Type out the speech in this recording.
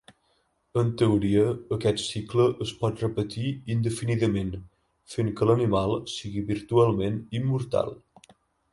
En teoria, aquest cicle es pot repetir indefinidament, fent que l'animal sigui virtualment immortal.